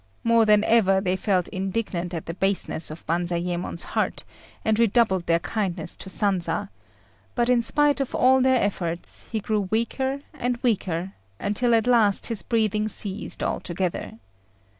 More than ever they felt indignant at the baseness of Banzayémon's heart, and redoubled their kindness to Sanza; but, in. spite of all their efforts, he grew weaker and weaker, until at last his breathing ceased altogether.